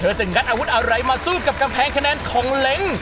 จะงัดอาวุธอะไรมาสู้กับกำแพงคะแนนของเล้ง